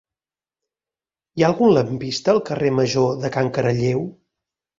Hi ha algun lampista al carrer Major de Can Caralleu?